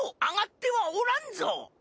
あがってはおらんぞ。